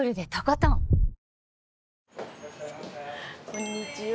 こんにちは。